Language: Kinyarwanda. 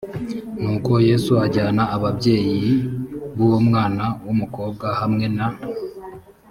nuko yesu ajyana ababyeyi b uwo mwana w umukobwa hamwe na